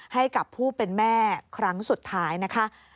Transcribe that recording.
ให้กับผู้เป็นแม่ครั้งสุดท้ายนะคะ